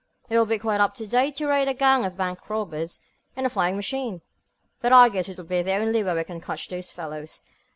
"It will be quite up to date to raid a gang of bank robbers in a flying machine, but I guess it will be the only way we can catch those fellows.